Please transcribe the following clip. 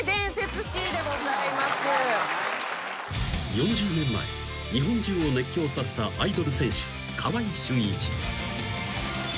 ［４０年前日本中を熱狂させたアイドル選手川合俊一］